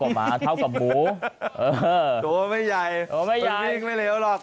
โตกับหมาเท่ากับหมูโตไม่ใหญ่มันวิ่งไม่เร็วหรอก